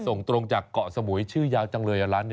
ส่งตรงจากเกาะสมุยชื่อยาวจังเลยร้านนี้